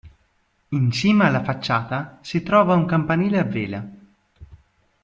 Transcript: In cima alla facciata si trova un campanile a vela.